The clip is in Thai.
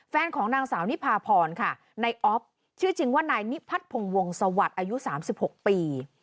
แฟนของนางสาวนิพาพรในอ๊อฟชื่อจริงว่านายนิพัทพงษ์วงศวรรษอายุ๓๖ปี